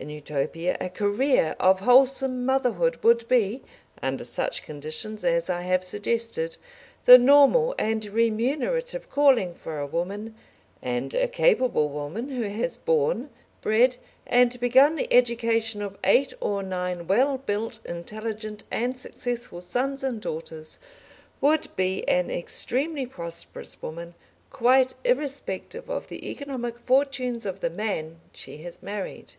In Utopia a career of wholesome motherhood would be, under such conditions as I have suggested, the normal and remunerative calling for a woman, and a capable woman who has borne, bred, and begun the education of eight or nine well built, intelligent, and successful sons and daughters would be an extremely prosperous woman, quite irrespective of the economic fortunes of the man she has married.